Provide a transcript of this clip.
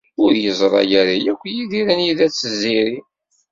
Ur yeẓri ara akk Yidir anida-tt Tiziri.